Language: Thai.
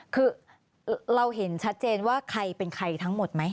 คือเราเห็นชัดเจนว่าใครเป็นใครทั้งหมดไหม